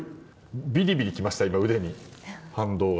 びりびり来ました、腕に反動が。